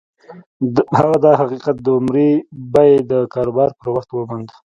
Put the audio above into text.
هغه دا حقيقت د عمري بيمې د کاروبار پر وخت وموند.